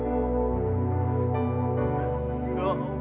marni kangen sama kakak